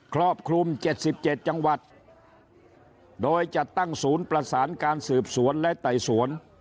ครอบคลุม๗๗จังหวัดโดยจะตั้งศูนย์ประสานการสืบสวนและไต่สวน